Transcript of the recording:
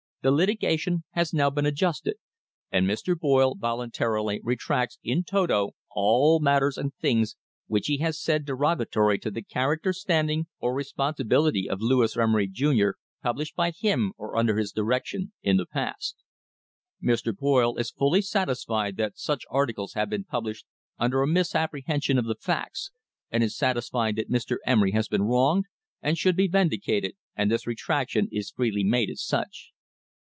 The litigation has now been adjusted, and Mr. Boyle voluntarily retracts in toto all matters and things which he has said derogatory to the character, standing, or responsibility of Lewis Emery, Jr., published by him or under his direction in the past. Mr. Boyle is fully satisfied that such articles have been published under a mis THE HISTORY OF THE STANDARD OIL COMPANY apprehension of the facts, and is satisfied that Mr. Emery has been wronged, and should be vindicated, and this retraction is freely made as such.